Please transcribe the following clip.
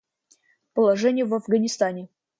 Положение в Афганистане.